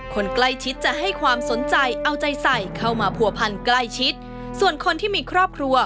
คนใกล้ชิดจะให้ความสนใจเอาใจใส่เข้ามาผัวพันใกล้ชิดส่วนคนที่มีครอบครัว